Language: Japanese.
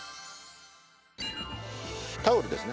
タオルですね。